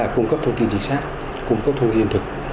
cung cấp thông tin chính xác cung cấp thông tin thực